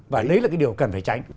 và đấy là cái điều cần phải tránh